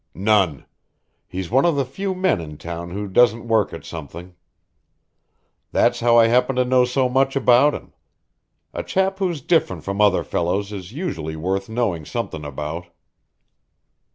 "None. He's one of the few men in town who don't work at something. That's how I happen to know so much about him. A chap who's different from other fellows is usually worth knowing something about."